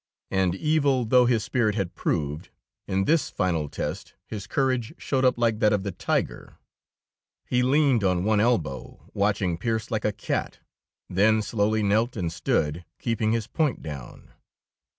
And evil though his spirit had proved, in this final test his courage showed up like that of the tiger. He leaned on one elbow, watching Pearse like a cat, then slowly knelt and stood, keeping his point down.